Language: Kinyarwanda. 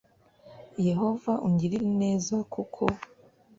Yehova ungirire neza kuko